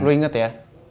lo inget ya